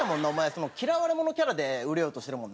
その嫌われ者キャラで売れようとしてるもんな。